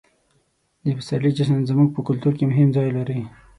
د پسرلي جشن زموږ په کلتور کې مهم ځای لري.